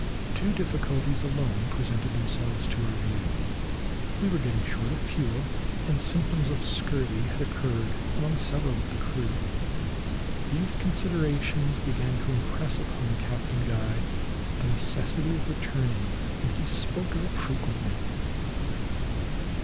Two difficulties alone presented themselves to our view; we were getting short of fuel, and symptoms of scurvy had occurred among several of the crew. These considerations began to impress upon Captain Guy the necessity of returning, and he spoke of it frequently.